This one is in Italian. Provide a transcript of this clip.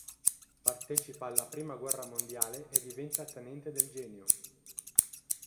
Partecipa alla I Guerra Mondiale e diventa Tenente del Genio.